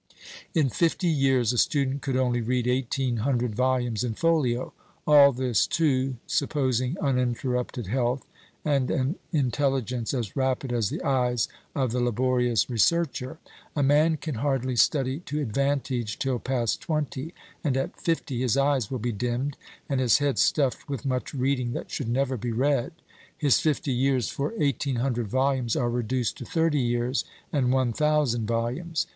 In fifty years a student could only read eighteen hundred volumes in folio. All this, too, supposing uninterrupted health, and an intelligence as rapid as the eyes of the laborious researcher. A man can hardly study to advantage till past twenty, and at fifty his eyes will be dimmed, and his head stuffed with much reading that should never be read. His fifty years for eighteen hundred volumes are reduced to thirty years, and one thousand volumes!